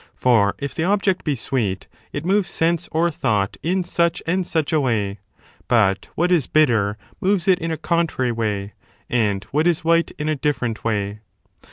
For, if the object be sweet, it moves sense or thought in such and such a way, but what is bitter moves it in a contrary way, and what is white in a different way.